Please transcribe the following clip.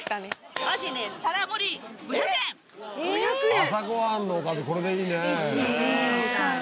５００円！